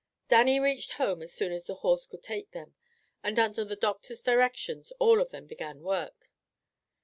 Dannie reached home as soon as the horse could take them, and under the doctor's directions all of them began work.